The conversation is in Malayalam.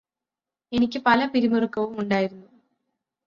എനിക്ക് പല പിരിമുറക്കവും ഉണ്ടായിരുന്നു